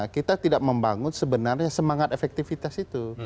kita tidak membangun sebenarnya semangat efektivitas itu